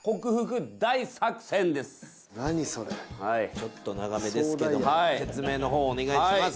ちょっと長めですけども説明の方お願いします。